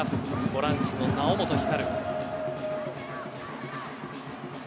ボランチの猶本光。